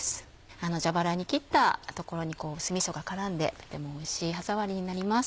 あの蛇腹に切った所に酢みそが絡んでとてもおいしい歯触りになります。